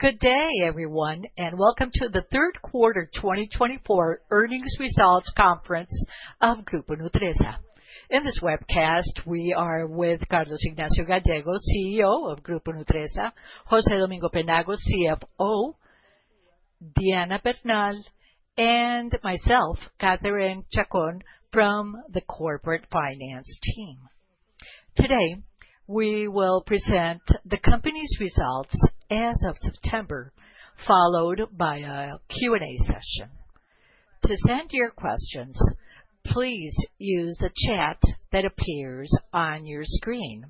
Good day, everyone, and welcome to the Third Quarter 2024 Earnings Results Conference of Grupo Nutresa. In this webcast, we are with Carlos Ignacio Gallego, CEO of Grupo Nutresa, José Domingo Penagos, CFO, Diana Bernal, and myself, Katherine Chacón, from the Corporate Finance team. Today, we will present the company's results as of September, followed by a Q&A session. To send your questions, please use the chat that appears on your screen,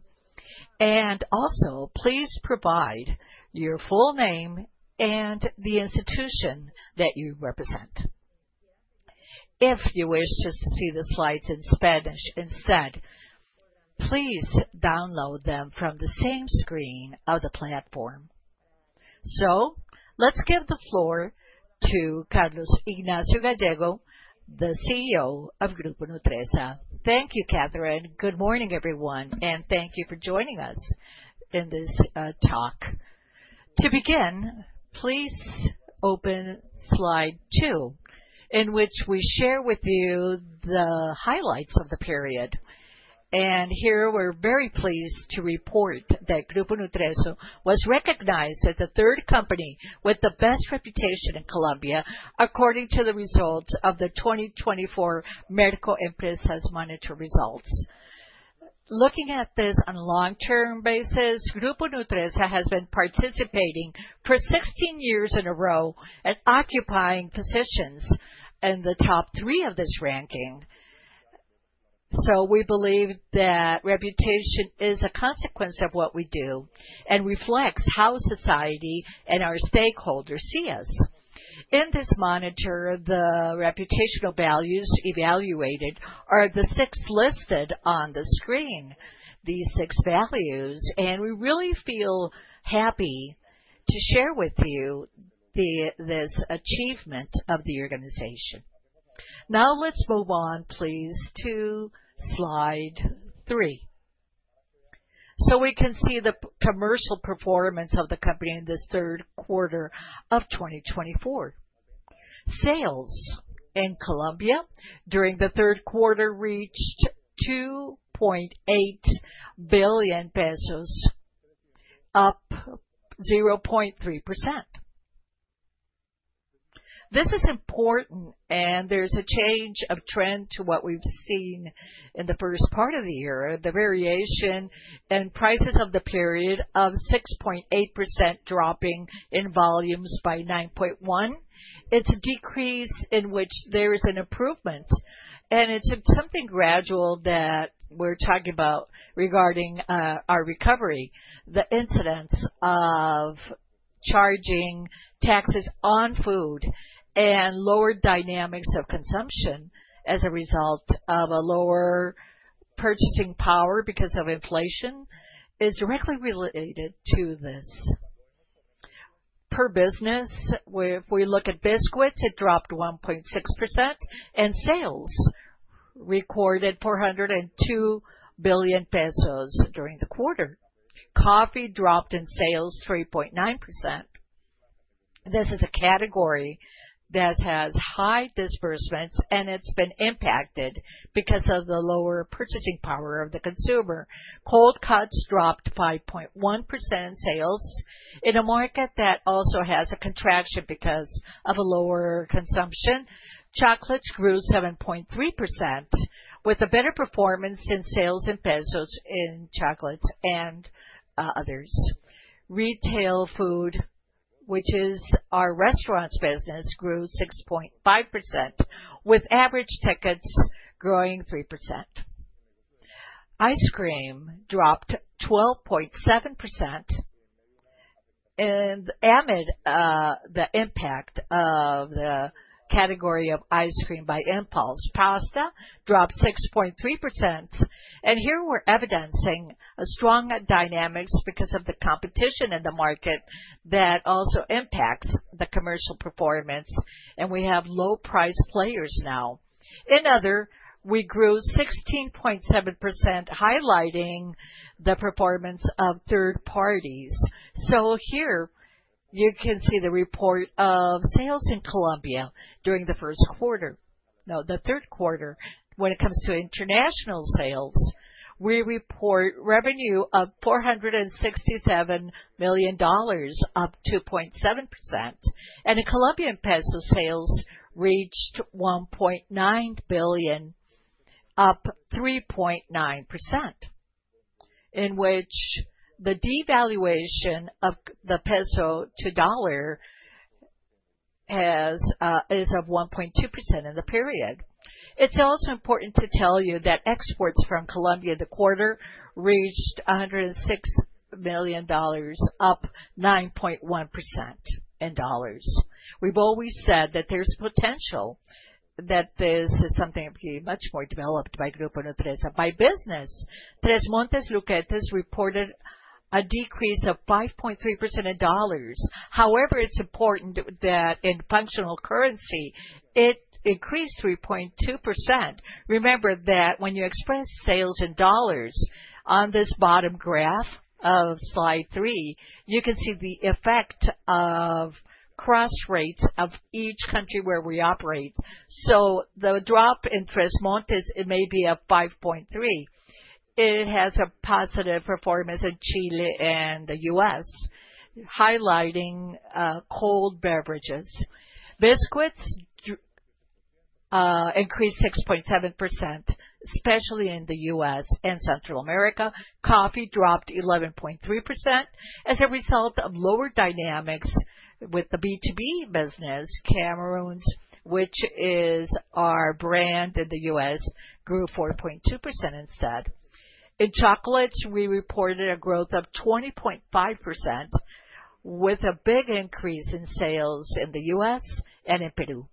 and also please provide your full name and the institution that you represent. If you wish to see the slides in Spanish instead, please download them from the same screen of the platform. So, let's give the floor to Carlos Ignacio Gallego, the CEO of Grupo Nutresa. Thank you, Katherine. Good morning, everyone, and thank you for joining us in this talk. To begin, please open slide two, in which we share with you the highlights of the period, and here, we're very pleased to report that Grupo Nutresa was recognized as the third company with the best reputation in Colombia, according to the results of the 2024 Merco Empresas Monitor results. Looking at this on a long-term basis, Grupo Nutresa has been participating for 16 years in a row and occupying positions in the top three of this ranking, so we believe that reputation is a consequence of what we do and reflects how society and our stakeholders see us. In this monitor, the reputational values evaluated are the six listed on the screen, these six values, and we really feel happy to share with you this achievement of the organization. Now, let's move on, please, to slide three, so we can see the commercial performance of the company in this third quarter of 2024. Sales in Colombia during the third quarter reached COP 2.8 billion, up 0.3%. This is important, and there's a change of trend to what we've seen in the first part of the year, the variation in prices of the period of 6.8% dropping in volumes by 9.1%. It's a decrease in which there is an improvement, and it's something gradual that we're talking about regarding our recovery. The incidence of charging taxes on food and lower dynamics of consumption as a result of a lower purchasing power because of inflation is directly related to this. Per business, if we look at biscuits, it dropped 1.6%, and sales recorded COP 402 billion during the quarter. Coffee dropped in sales 3.9%. This is a category that has high disbursements, and it's been impacted because of the lower purchasing power of the consumer. Cold cuts dropped 5.1% in sales in a market that also has a contraction because of a lower consumption. Chocolates grew 7.3%, with a better performance in sales in pesos in chocolates and others. Retail food, which is our restaurants business, grew 6.5%, with average tickets growing 3%. Ice cream dropped 12.7%, and amid the impact of the category of ice cream by impulse, pasta dropped 6.3%. And here, we're evidencing a strong dynamic because of the competition in the market that also impacts the commercial performance, and we have low-priced players now. In others, we grew 16.7%, highlighting the performance of third parties. So here, you can see the report of sales in Colombia during the first quarter. Now, the third quarter, when it comes to international sales, we report revenue of $467 million, up 2.7%, and in Colombian pesos, sales reached COP 1.9 billion, up 3.9%, in which the devaluation of the peso to dollar is of 1.2% in the period. It's also important to tell you that exports from Colombia in the quarter reached $106 million, up 9.1% in dollars. We've always said that there's potential that this is something to be much more developed by Grupo Nutresa. By business, Tresmontes Lucchetti reported a decrease of 5.3% in dollars. However, it's important that in functional currency, it increased 3.2%. Remember that when you express sales in dollars on this bottom graph of slide three, you can see the effect of cross rates of each country where we operate. So the drop in Tres Montes may be of 5.3%. It has a positive performance in Chile and the U.S., highlighting cold beverages. Biscuits increased 6.7%, especially in the U.S. and Central America. Coffee dropped 11.3% as a result of lower dynamics with the B2B business. Cameron’s Coffee, which is our brand in the U.S., grew 4.2% instead. In chocolates, we reported a growth of 20.5%, with a big increase in sales in the U.S. and in Peru.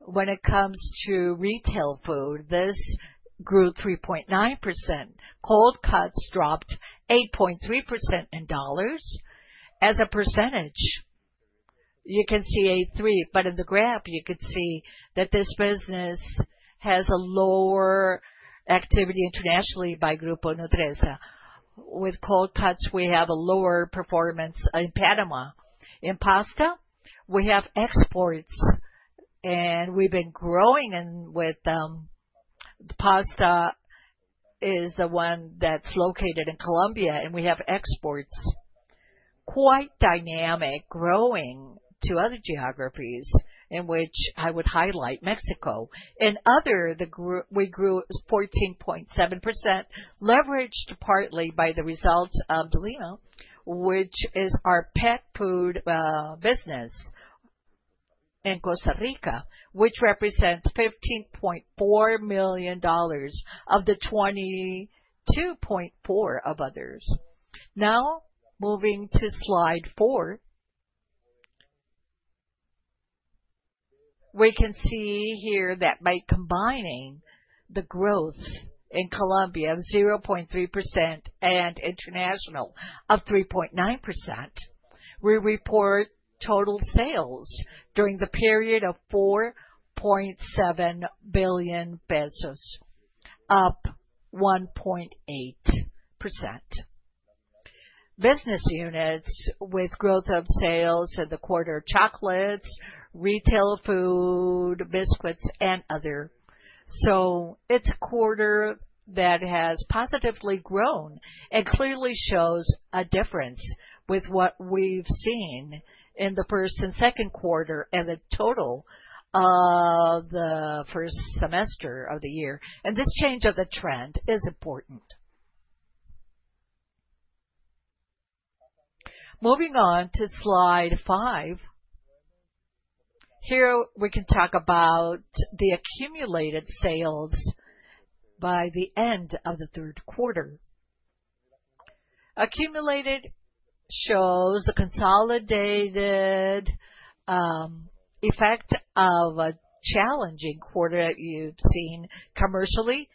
When it comes to retail food, this grew 3.9%. Cold cuts dropped 8.3% in dollars. As a percentage, you can see 8.3%, but in the graph, you could see that this business has a lower activity internationally by Grupo Nutresa. With cold cuts, we have a lower performance in Panama. In pasta, we have exports, and we've been growing with them. Pasta is the one that's located in Colombia, and we have exports. Quite dynamic, growing to other geographies, in which I would highlight Mexico. In other, we grew 14.7%, leveraged partly by the results of Belina, which is our pet food business in Costa Rica, which represents $15.4 million of the $22.4 million of others. Now, moving to slide four, we can see here that by combining the growth in Colombia of 0.3% and international of 3.9%, we report total sales during the period of COP 4.7 billion, up 1.8%. Business units with growth of sales in the quarter: chocolates, retail food, biscuits, and other. So it's a quarter that has positively grown and clearly shows a difference with what we've seen in the first and second quarter and the total of the first semester of the year. And this change of the trend is important. Moving on to slide five, here we can talk about the accumulated sales by the end of the third quarter. Accumulated shows a consolidated effect of a challenging quarter that you've seen commercially,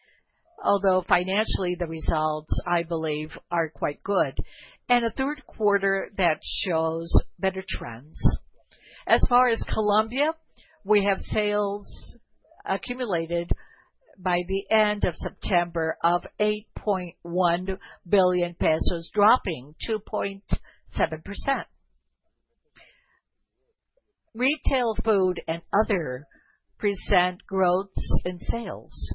although financially the results, I believe, are quite good, and a third quarter that shows better trends. As far as Colombia, we have sales accumulated by the end of September of COP 8.1 billion, dropping 2.7%. Retail food and other present growths in sales.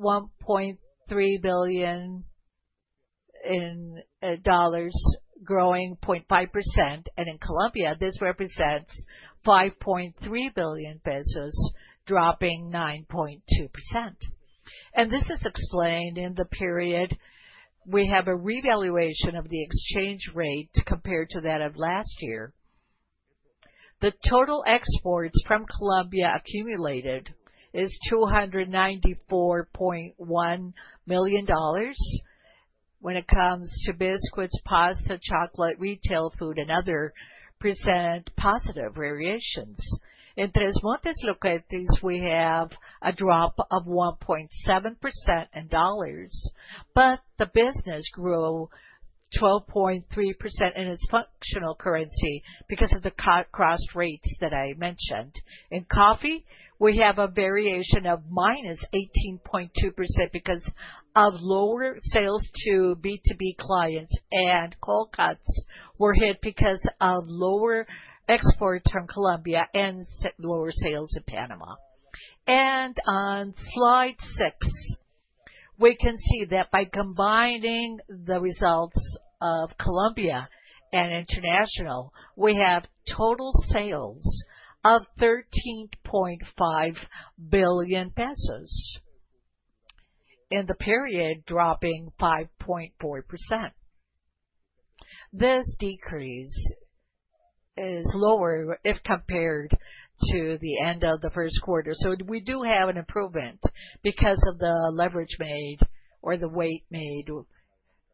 Outside of Colombia, when it comes to international sales, we reached $1.3 billion, growing 0.5%, and in Colombia, this represents COP 5.3 billion, dropping 9.2%, and this is explained in the period we have a revaluation of the exchange rate compared to that of last year. The total exports from Colombia accumulated is $294.1 million when it comes to biscuits, pasta, chocolate, retail food, and other present positive variations. In Tresmontes Lucchetti, we have a drop of 1.7% in dollars, but the business grew 12.3% in its functional currency because of the currency cross rates that I mentioned. In coffee, we have a variation of -18.2% because of lower sales to B2B clients, and cold cuts were hit because of lower exports from Colombia and lower sales in Panama. On slide six, we can see that by combining the results of Colombia and international, we have total sales of COP 13.5 billion in the period, dropping 5.4%. This decrease is lower if compared to the end of the first quarter, so we do have an improvement because of the leverage made or the weight made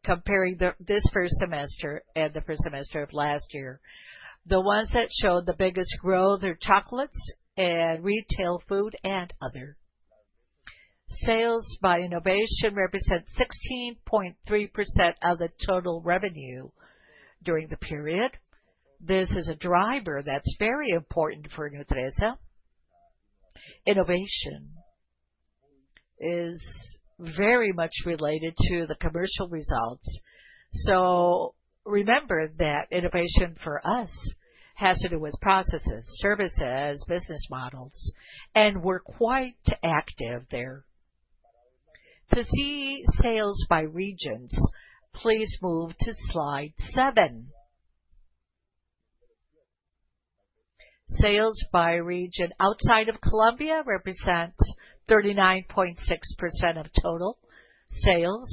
comparing this first semester and the first semester of last year. The ones that show the biggest growth are chocolates and retail food and other. Sales by innovation represent 16.3% of the total revenue during the period. This is a driver that's very important for Nutresa. Innovation is very much related to the commercial results. So remember that innovation for us has to do with processes, services, business models, and we're quite active there. To see sales by regions, please move to slide seven. Sales by region outside of Colombia represent 39.6% of total sales.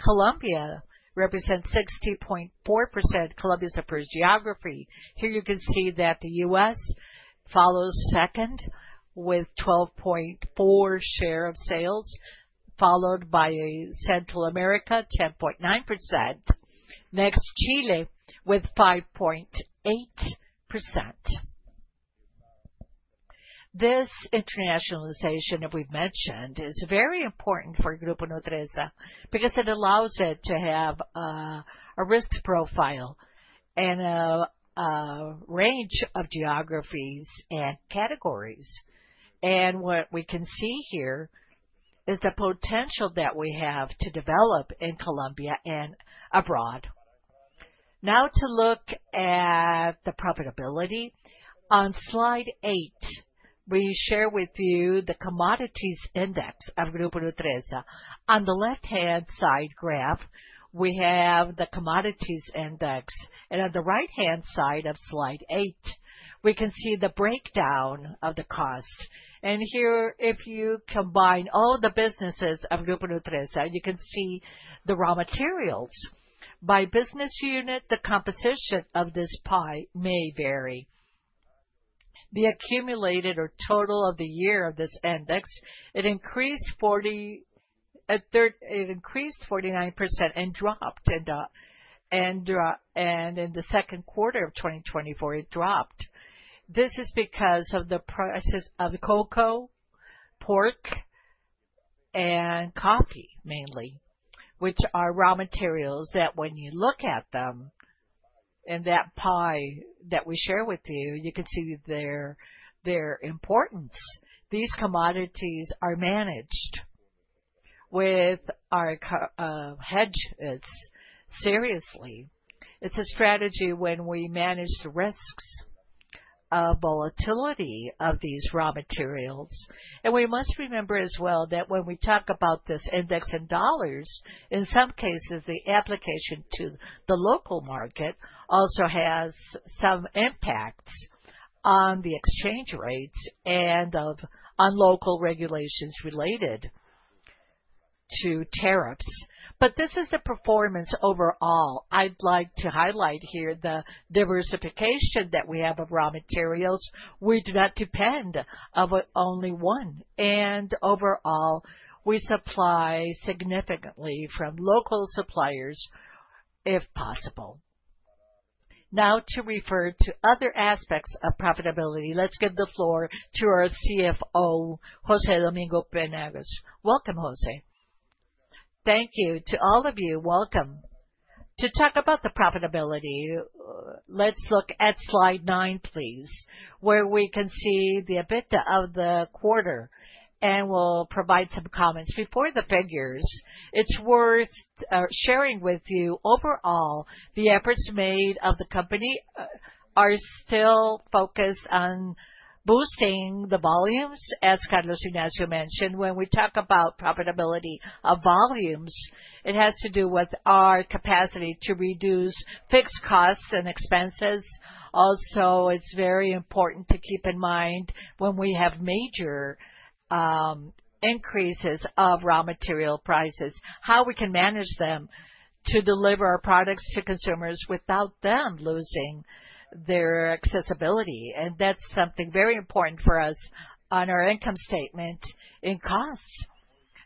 Colombia represents 60.4%. Colombia is the first geography. Here you can see that the U.S. follows second with 12.4% share of sales, followed by Central America at 10.9%. Next, Chile with 5.8%. This internationalization that we've mentioned is very important for Grupo Nutresa because it allows it to have a risk profile and a range of geographies and categories, and what we can see here is the potential that we have to develop in Colombia and abroad. Now, to look at the profitability, on slide eight, we share with you the commodities index of Grupo Nutresa. On the left-hand side graph, we have the commodities index, and on the right-hand side of slide eight, we can see the breakdown of the cost, and here, if you combine all the businesses of Grupo Nutresa, you can see the raw materials. By business unit, the composition of this pie may vary. The accumulated or total of the year of this index, it increased 49% and dropped, and in the second quarter of 2024, it dropped. This is because of the prices of cocoa, pork, and coffee mainly, which are raw materials that when you look at them in that pie that we share with you, you can see their importance. These commodities are managed with our hedges seriously. It's a strategy when we manage the risks of volatility of these raw materials. And we must remember as well that when we talk about this index in dollars, in some cases, the application to the local market also has some impacts on the exchange rates and on local regulations related to tariffs. But this is the performance overall. I'd like to highlight here the diversification that we have of raw materials. We do not depend on only one. And overall, we supply significantly from local suppliers if possible. Now, to refer to other aspects of profitability, let's give the floor to our CFO, José Domingo Penagos. Welcome, José. Thank you. To all of you, welcome. To talk about the profitability, let's look at slide nine, please, where we can see the EBITDA of the quarter, and we'll provide some comments. Before the figures, it's worth sharing with you overall the efforts made by the company are still focused on boosting the volumes, as Carlos Ignacio mentioned. When we talk about profitability of volumes, it has to do with our capacity to reduce fixed costs and expenses. Also, it's very important to keep in mind when we have major increases of raw material prices, how we can manage them to deliver our products to consumers without them losing their accessibility, and that's something very important for us on our income statement in costs.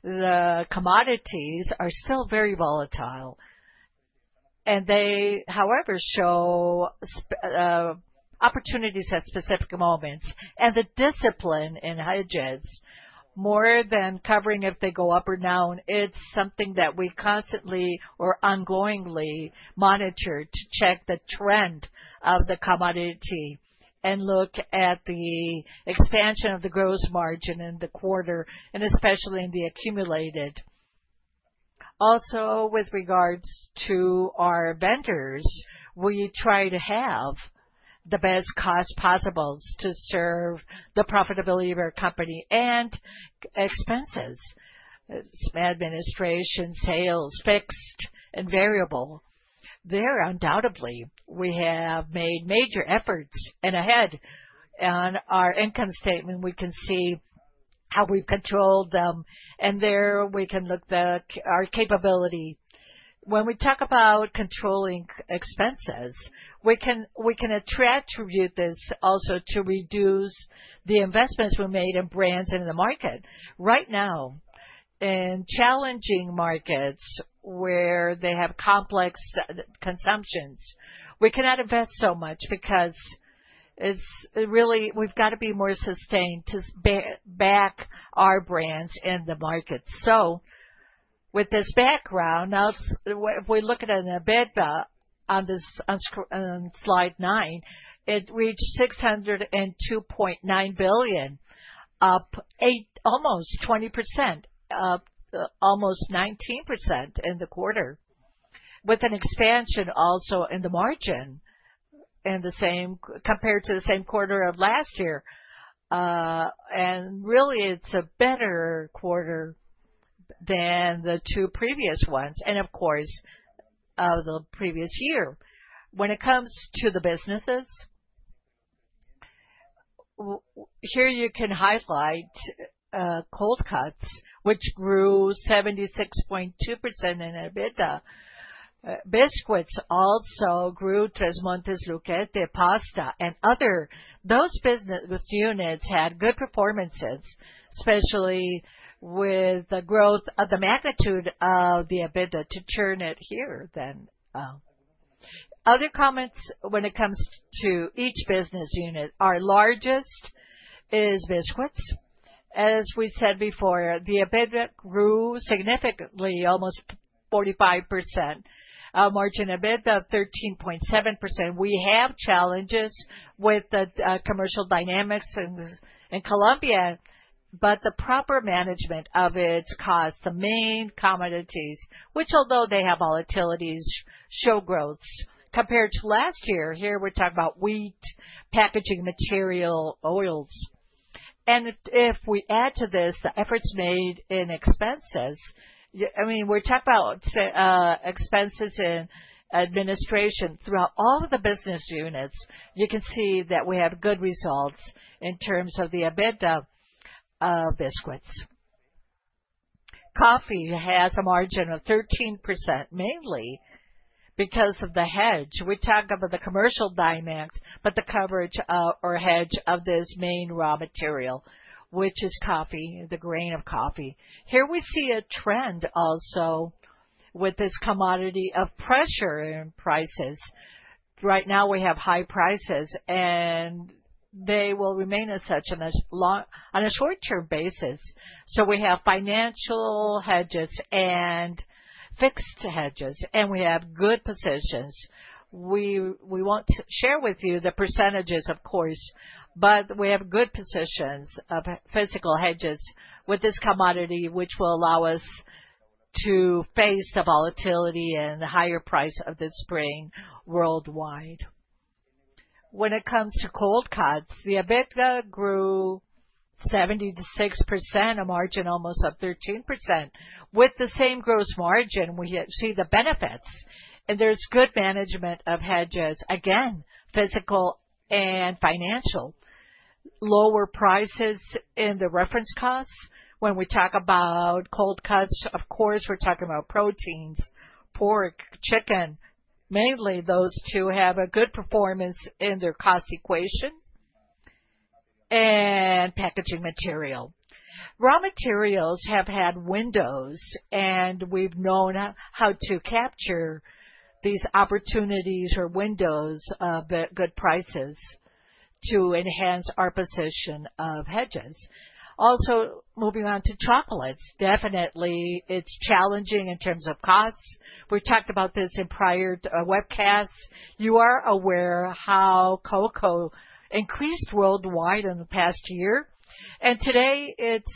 The commodities are still very volatile, and they, however, show opportunities at specific moments. The discipline in hedges, more than covering if they go up or down. It's something that we constantly or ongoingly monitor to check the trend of the commodity and look at the expansion of the gross margin in the quarter, and especially in the accumulated. Also, with regards to our vendors, we try to have the best costs possible to ensure the profitability of our company and expenses: administration, sales, fixed, and variable. There, undoubtedly, we have made major efforts and ahead. On our income statement, we can see how we've controlled them, and there we can look at our capability. When we talk about controlling expenses, we can attribute this also to reduce the investments we made in brands and in the market. Right now, in challenging markets where they have complex consumptions, we cannot invest so much because we've got to be more sustained to back our brands in the market. So with this background, if we look at an EBITDA on slide nine, it reached COP 602.9 billion, up almost 20%, up almost 19% in the quarter, with an expansion also in the margin compared to the same quarter of last year. And really, it's a better quarter than the two previous ones, and of course, of the previous year. When it comes to the businesses, here you can highlight cold cuts, which grew 76.2% in EBITDA. Biscuits also grew, Tresmontes Lucchetti, pasta, and others. Those business units had good performances, especially with the growth of the magnitude of the EBITDA to churn it here then. Other comments when it comes to each business unit. Our largest is biscuits. As we said before, the EBITDA grew significantly, almost 45%. Our margin, EBITDA of 13.7%. We have challenges with the commercial dynamics in Colombia, but the proper management of its costs, the main commodities, which although they have volatilities, show growths compared to last year. Here we're talking about wheat, packaging material, oils, and if we add to this the efforts made in expenses, I mean, we're talking about expenses and administration throughout all of the business units, you can see that we have good results in terms of the EBITDA of biscuits. Coffee has a margin of 13% mainly because of the hedge. We talk about the commercial dynamics, but the coverage or hedge of this main raw material, which is coffee, the grain of coffee. Here we see a trend also with this commodity of pressure in prices. Right now, we have high prices, and they will remain as such on a short-term basis. So we have financial hedges and fixed hedges, and we have good positions. We won't share with you the percentages, of course, but we have good positions of physical hedges with this commodity, which will allow us to face the volatility and the higher price of the spring worldwide. When it comes to cold cuts, the EBITDA grew 76%, a margin almost of 13%. With the same gross margin, we see the benefits, and there's good management of hedges, again, physical and financial. Lower prices in the reference costs. When we talk about cold cuts, of course, we're talking about proteins, pork, chicken. Mainly, those two have a good performance in their cost equation and packaging material. Raw materials have had windows, and we've known how to capture these opportunities or windows of good prices to enhance our position of hedges. Also, moving on to chocolates, definitely it's challenging in terms of costs. We talked about this in prior webcasts. You are aware how cocoa increased worldwide in the past year, and today it's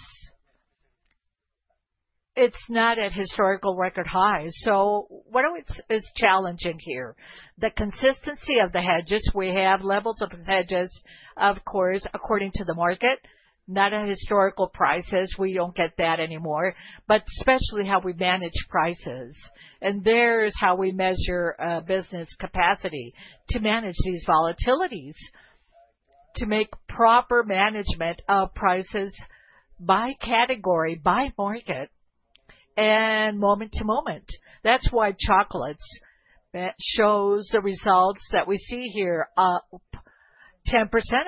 not at historical record highs. So what is challenging here? The consistency of the hedges. We have levels of hedges, of course, according to the market, not at historical prices. We don't get that anymore, but especially how we manage prices, and there's how we measure business capacity to manage these volatilities, to make proper management of prices by category, by market, and moment to moment. That's why chocolates shows the results that we see here, 10%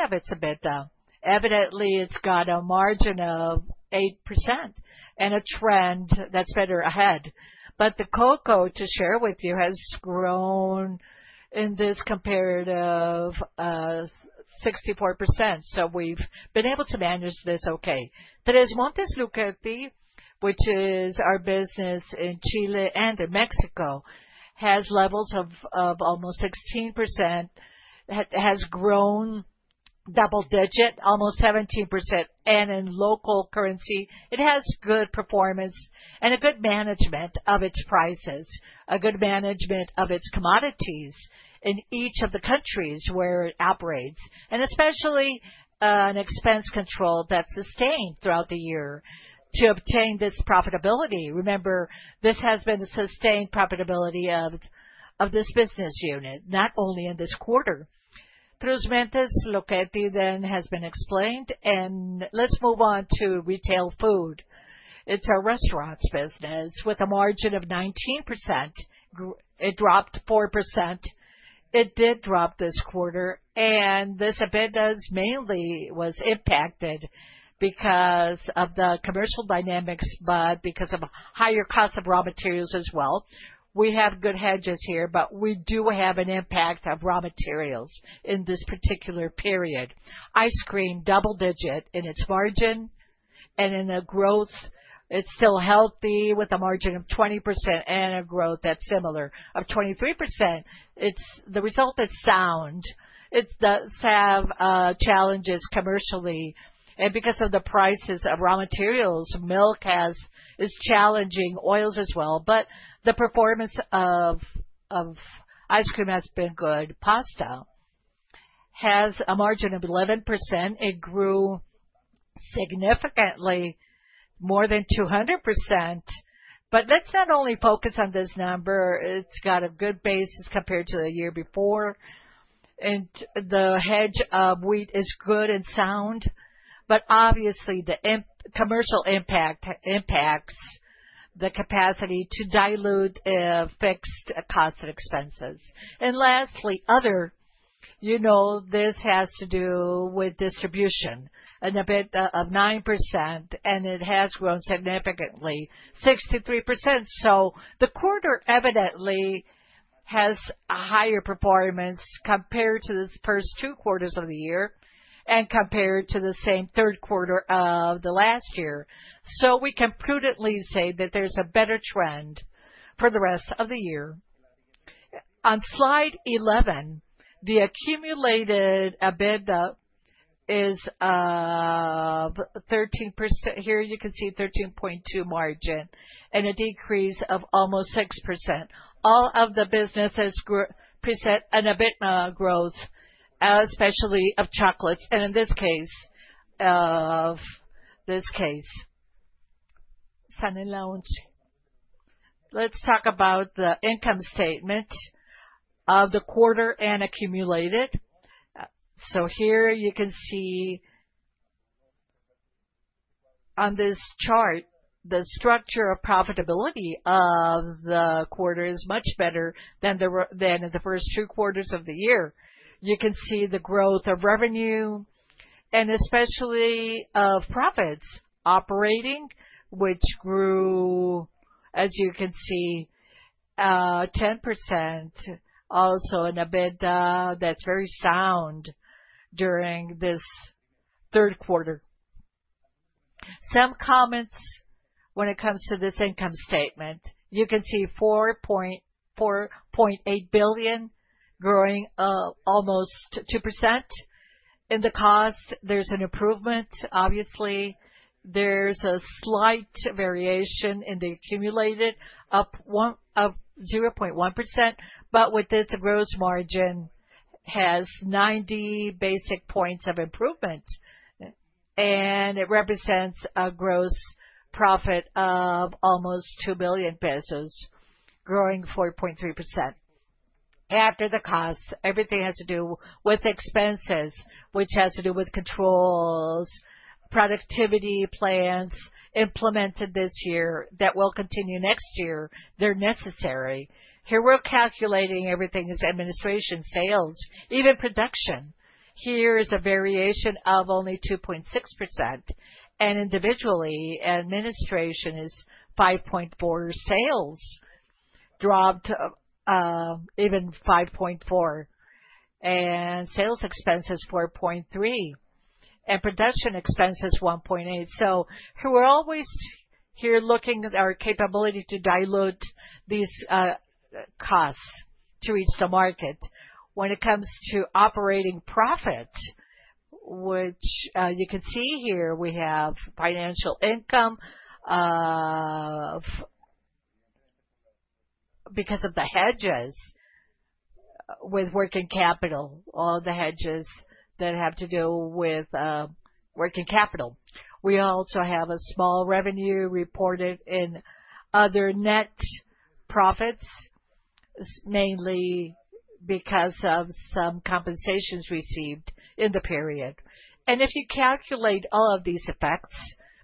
of its EBITDA. Evidently, it's got a margin of 8% and a trend that's better ahead. But the cocoa, to share with you, has grown in this comparative 64%. So we've been able to manage this okay. But as Tresmontes Lucchetti, which is our business in Chile and in Mexico, has levels of almost 16%, has grown double-digit, almost 17%, and in local currency, it has good performance and a good management of its prices, a good management of its commodities in each of the countries where it operates, and especially an expense control that's sustained throughout the year to obtain this profitability. Remember, this has been a sustained profitability of this business unit, not only in this quarter. Tresmontes Lucchetti then has been explained, and let's move on to Retail Food. It's a restaurant business with a margin of 19%. It dropped 4%. It did drop this quarter, and this EBITDA mainly was impacted because of the commercial dynamics, but because of higher costs of raw materials as well. We have good hedges here, but we do have an impact of raw materials in this particular period. Ice cream, double-digit in its margin, and in the growth, it's still healthy with a margin of 20% and a growth that's similar of 23%. It's the result that's sound. It does have challenges commercially, and because of the prices of raw materials, milk is challenging, oils as well, but the performance of ice cream has been good. Pasta has a margin of 11%. It grew significantly, more than 200%, but let's not only focus on this number. It's got a good basis compared to the year before. And the hedge of wheat is good and sound, but obviously, the commercial impact impacts the capacity to dilute fixed costs and expenses. And lastly, Others, this has to do with distribution, an EBITDA of 9%, and it has grown significantly, 63%. So the quarter evidently has higher performance compared to the first two quarters of the year and compared to the same third quarter of the last year. So we can prudently say that there's a better trend for the rest of the year. On slide 11, the accumulated EBITDA is 13%. Here you can see 13.2% margin and a decrease of almost 6%. All of the businesses present an EBITDA growth, especially of chocolates, and in this case, of this case. Let's talk about the income statement of the quarter and accumulated. Here you can see on this chart, the structure of profitability of the quarter is much better than in the first two quarters of the year. You can see the growth of revenue and especially of profits operating, which grew, as you can see, 10%. Also an EBITDA that's very sound during this third quarter. Some comments when it comes to this income statement. You can see COP 4.8 billion growing almost 2%. In the cost, there's an improvement, obviously. There's a slight variation in the accumulated of 0.1%, but with this, the gross margin has 90 basis points of improvement, and it represents a gross profit of almost COP 2 billion, growing 4.3%. After the costs, everything has to do with expenses, which has to do with controls, productivity plans implemented this year that will continue next year. They're necessary. Here we're calculating everything as administration, sales, even production. Here is a variation of only 2.6%, and individually, administration is 5.4%, sales dropped even 5.4%, and sales expenses 4.3%, and production expenses 1.8%, so we're always here looking at our capability to dilute these costs to reach the market. When it comes to operating profit, which you can see here, we have financial income because of the hedges with working capital, all the hedges that have to do with working capital. We also have a small revenue reported in other net profits, mainly because of some compensations received in the period. And if you calculate all of these effects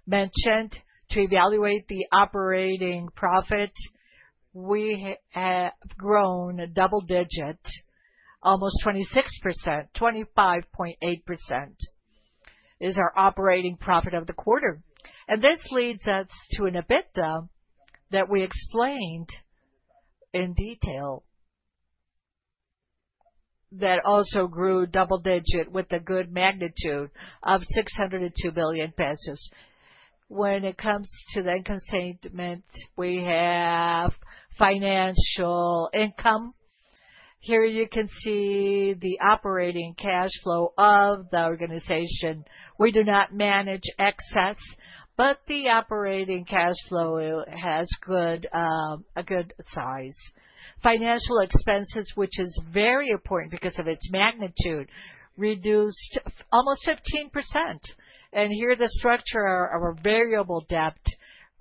mentioned to evaluate the operating profit, we have grown a double-digit, almost 26%. 25.8% is our operating profit of the quarter. And this leads us to an EBITDA that we explained in detail that also grew double-digit with a good magnitude of COP 602 billion. When it comes to the income statement, we have financial income. Here you can see the operating cash flow of the organization. We do not manage excess, but the operating cash flow has a good size. Financial expenses, which is very important because of its magnitude, reduced almost 15%. Here the structure of our variable debt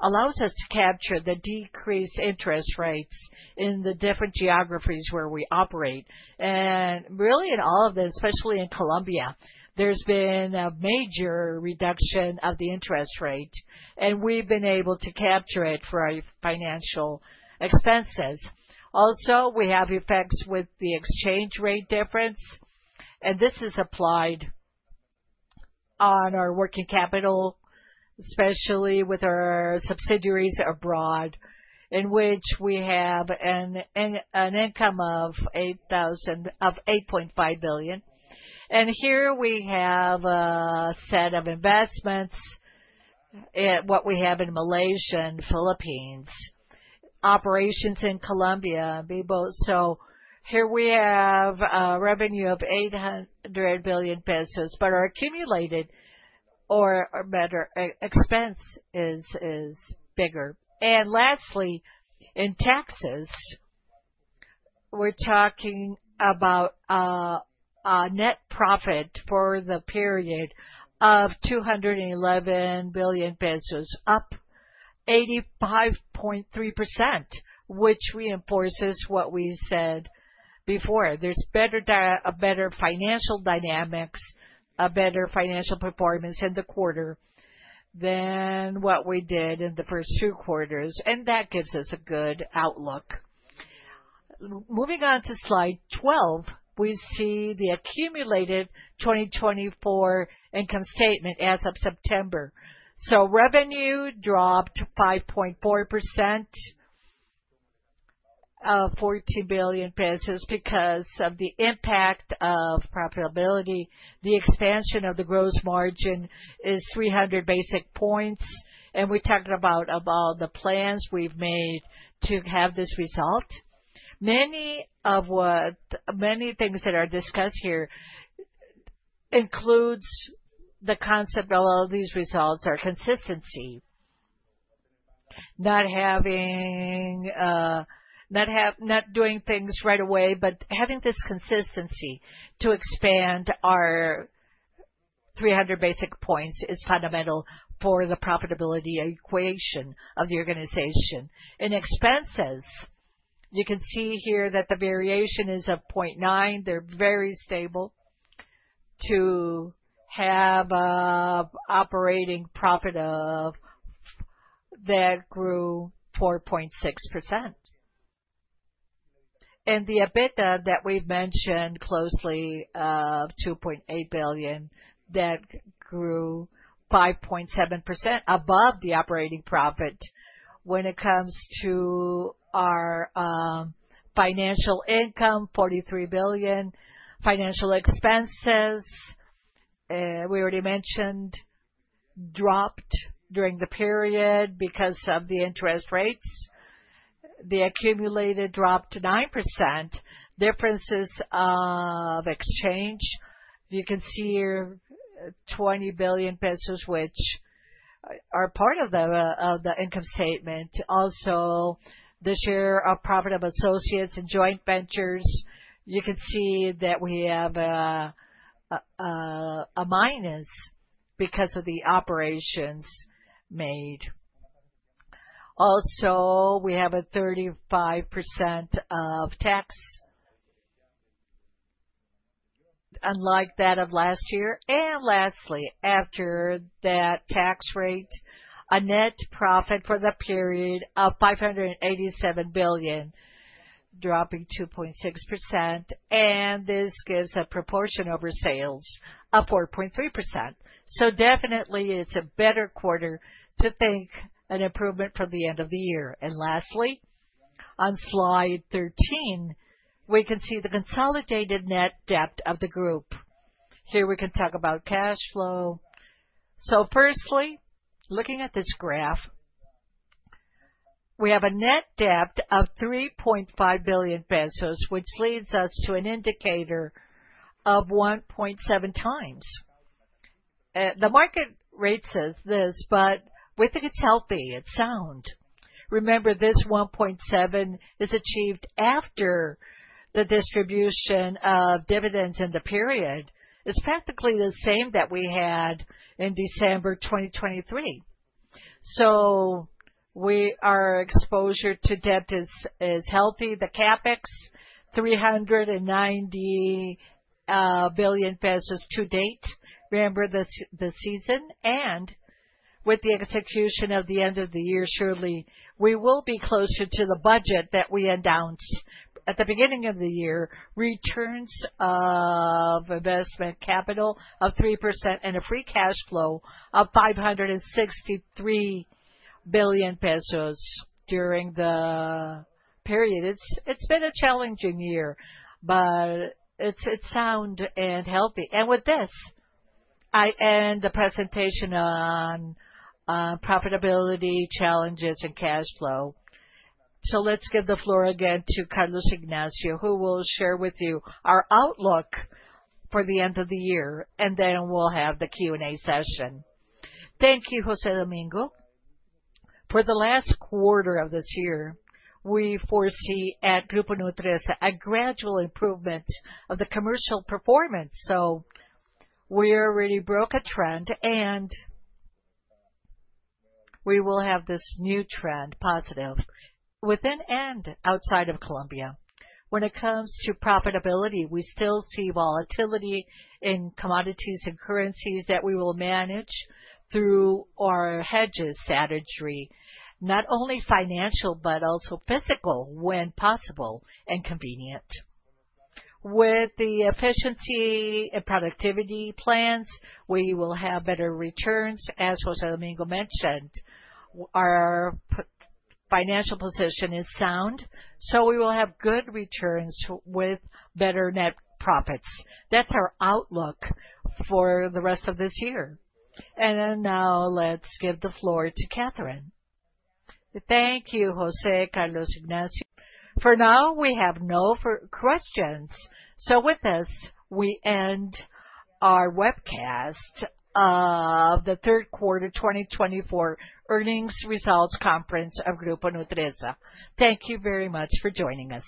allows us to capture the decreased interest rates in the different geographies where we operate. Really, in all of this, especially in Colombia, there's been a major reduction of the interest rate, and we've been able to capture it for our financial expenses. Also, we have effects with the exchange rate difference, and this is applied on our working capital, especially with our subsidiaries abroad, in which we have an income of COP 8.5 billion. Here we have a set of investments, what we have in Malaysia and Philippines, operations in Colombia. Here we have a revenue of COP 800 billion, but our accumulated, or better, expense is bigger. And lastly, in taxes, we're talking about a net profit for the period of COP 211 billion, up 85.3%, which reinforces what we said before. There's better financial dynamics, a better financial performance in the quarter than what we did in the first two quarters, and that gives us a good outlook. Moving on to slide 12, we see the accumulated 2024 income statement as of September. Revenue dropped 5.4%, COP 14 billion because of the impact of profitability. The expansion of the gross margin is 300 basis points, and we're talking about all the plans we've made to have this result. Many things that are discussed here include the concept of all these results are consistency. Not doing things right away, but having this consistency to expand our 300 basis points is fundamental for the profitability equation of the organization. In expenses, you can see here that the variation is of 0.9%. They're very stable to have an operating profit that grew 4.6%. And the EBITDA that we've mentioned closely of COP 2.8 billion that grew 5.7% above the operating profit. When it comes to our financial income, COP 43 billion. Financial expenses, we already mentioned, dropped during the period because of the interest rates. The accumulated dropped 9%. Differences of exchange, you can see COP 20 billion, which are part of the income statement. Also, the share of profit of associates and joint ventures, you can see that we have a minus because of the operations made. Also, we have a 35% of tax, unlike that of last year. Lastly, after that tax rate, a net profit for the period of COP 587 billion, dropping 2.6%. This gives a proportion over sales of 4.3%. Definitely, it's a better quarter to think an improvement for the end of the year. Lastly, on slide 13, we can see the consolidated net debt of the group. Here we can talk about cash flow. Firstly, looking at this graph, we have a net debt of COP 3.5 billion, which leads us to an indicator of 1.7x. The market rates is this, but with it, it's healthy. It's sound. Remember, this 1.7x is achieved after the distribution of dividends in the period. It's practically the same that we had in December 2023. Our exposure to debt is healthy. The CapEx, COP 390 billion to date. Remember the season. With the execution of the end of the year, surely we will be closer to the budget that we announced at the beginning of the year, returns of investment capital of 3% and a free cash flow of COP 563 billion during the period. It's been a challenging year, but it's sound and healthy. With this, I end the presentation on profitability challenges and cash flow. Let's give the floor again to Carlos Ignacio, who will share with you our outlook for the end of the year, and then we'll have the Q&A session. Thank you, José Domingo. For the last quarter of this year, we foresee at Grupo Nutresa a gradual improvement of the commercial performance. We already broke a trend, and we will have this new trend positive within and outside of Colombia. When it comes to profitability, we still see volatility in commodities and currencies that we will manage through our hedges strategy, not only financial but also physical when possible and convenient. With the efficiency and productivity plans, we will have better returns. As José Domingo mentioned, our financial position is sound, so we will have good returns with better net profits. That's our outlook for the rest of this year. Now let's give the floor to Katherine. Thank you, Carlos Ignacio. For now, we have no questions. With this, we end our webcast of the third quarter 2024 earnings results conference of Grupo Nutresa. Thank you very much for joining us.